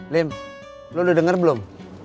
lim lu udah dengar belum